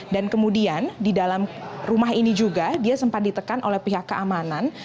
dan kemudian di dalam rumah ini juga dia sempat ditekan oleh pihak keamanan